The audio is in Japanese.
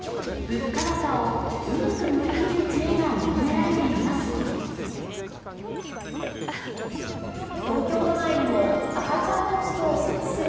物価高をうまく乗り切る知恵が求められています。